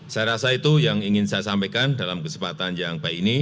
saya rasa itu yang ingin saya sampaikan dalam kesempatan yang baik ini